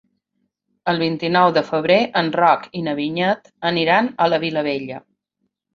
El vint-i-nou de febrer en Roc i na Vinyet aniran a la Vilavella.